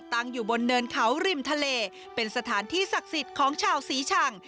ตั้งอยู่บนเนินเขาริมทะเลเป็นสถานที่ศักดิ์สิทธิ์ของชาวศรีชัง